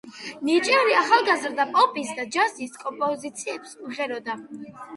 ნიჭიერი ახალგაზრდა პოპის და ჯაზის კომპოზიციებს მღეროდა.